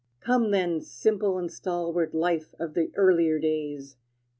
Come, then, simple and stalwart Life of the earlier days!